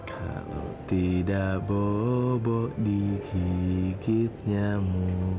kalau tidak bobo di gigitnya mu